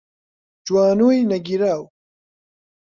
جوانووی نەگیراو